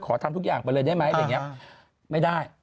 ทำทุกอย่างไปเลยได้ไหมอะไรอย่างนี้ไม่ได้